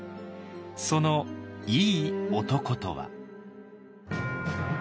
そのイイ男とは。